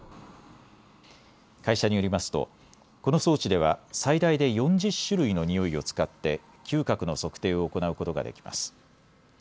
会社によりますと、この装置では最大で４０種類のにおいを使っって嗅覚の測定を行うことができます。